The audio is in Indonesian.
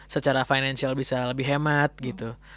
secara financial bisa lebih hemat gitu